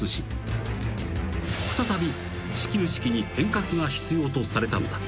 ［再び始球式に変革が必要とされたのだ］